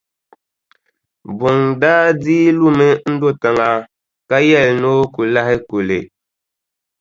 Buŋa daa dii lumi n-do tiŋa ka yɛli ni o ku lahi kuli.